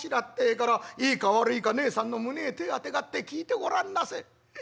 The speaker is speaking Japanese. ってえから『いいか悪いかねえさんの胸へ手ぇあてがって聞いてごらんなせえ』。